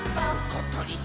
「ことりっ！」